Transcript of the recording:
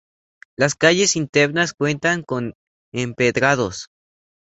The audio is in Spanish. Las calles internas cuentan con empedrados.